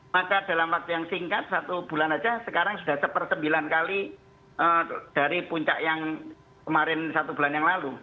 maka dalam waktu yang singkat satu bulan saja sekarang sudah seper sembilan kali dari puncak yang kemarin satu bulan yang lalu